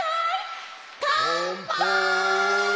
かんぱい！